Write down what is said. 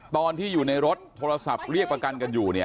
ตอนที่อยู่ในรถทะเล่าสรรภ์เรียกประกันกันอยู่เนี่ย